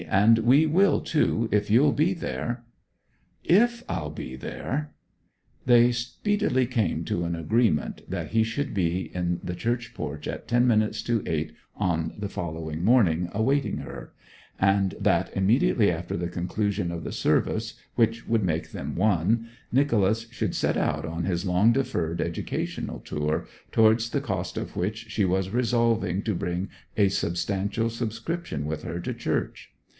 'And we will too, if you'll be there.' 'If I'll be there!' They speedily came to an agreement that he should be in the church porch at ten minutes to eight on the following morning, awaiting her; and that, immediately after the conclusion of the service which would make them one, Nicholas should set out on his long deferred educational tour, towards the cost of which she was resolving to bring a substantial subscription with her to church.